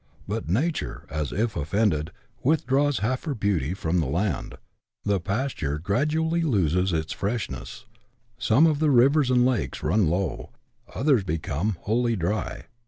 But Nature, as if offended, withdraws half her beauty from the land ; the pasture gradually loses its freshness ; some of the rivers and lakes run low, others become wholly dry.